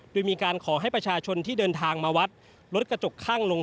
โดยมีการขอให้ประชาชนที่เดินทางมาวัดลดกระจกข้างลง